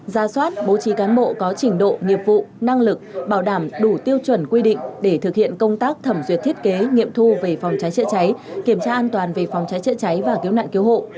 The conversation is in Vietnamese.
ra soát bố trí cán bộ có trình độ nghiệp vụ năng lực bảo đảm đủ tiêu chuẩn quy định để thực hiện công tác thẩm duyệt thiết kế nghiệm thu về phòng cháy chữa cháy kiểm tra an toàn về phòng cháy chữa cháy và cứu nạn cứu hộ